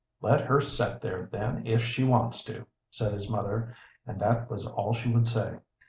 "Let her set there, then, if she wants to," said his mother, and that was all she would say.